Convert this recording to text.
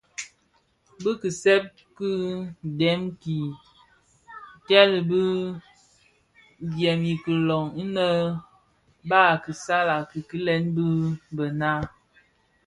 Bi kisèp ki dèm ki teel dyèm ikilön innë bas a kisal a kikilen bi bë naa.